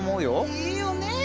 いいよねえ